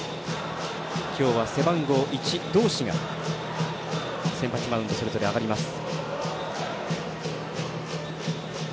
今日は背番号１同士が先発マウンドそれぞれ上がります。